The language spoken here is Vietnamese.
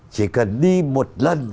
chỉ cần đi một lần